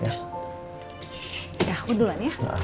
ya aku duluan ya